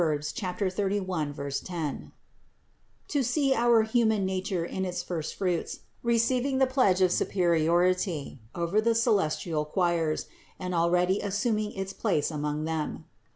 31, 10) ; to see our human nature in its first fruits receiving the pledge of superiority over the celestial choirs and already assuming its place among them.